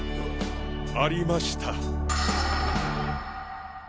ありました。